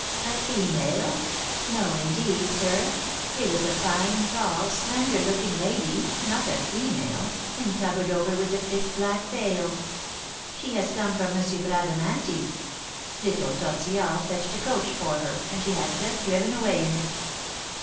"A female! No indeed, sir, it was a fine, tall, slender looking lady, not a female, and covered over with a thick black veil. She has come from M. Bradamanti. Little Tortillard fetched a coach for her, and she has just driven away in it.